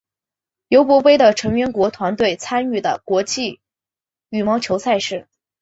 尤伯杯的成员国团队参与的国际羽毛球赛事。